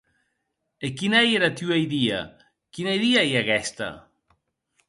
E quina ei era tua idia?, quina idia ei aguesta?